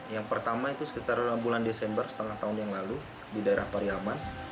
yang pertama itu sekitar bulan desember setengah tahun yang lalu di daerah pariaman